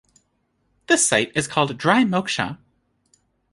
This site is called "Dry Moksha".